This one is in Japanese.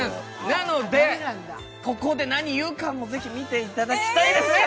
なので、ここで何を言うかぜひ見てもらいたいですね。